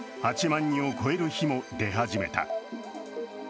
８万人を超える日も出始めた。